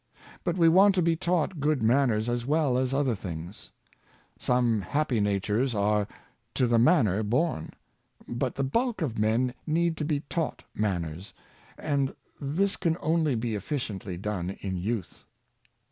But we want to be taught good manners as well as other things. Some happy natures are " to the manor born." But the bulk of men need to be taught manners, and this can only be efficiently done in youth.